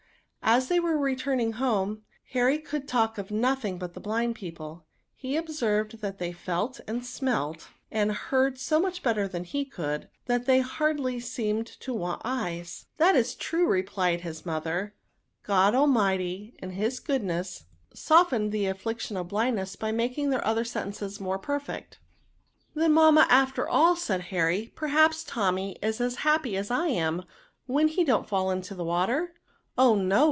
As they were returning home, Harry could talk of nothing but the blind people ; he ob served that they felt, and smelt, and heard so much better than he could, that they hardly seemed to want eyes. " That is true," replied his mother ;" God Almighty, in his goodness, softens the af N 1S4 NOUNS. fliction of blindness by making the otber senses more perfect." " Then, mamma, after all," said Harry, perhaps, Tommy is as happy as I am, when he don't fall into the water V* " Oh, no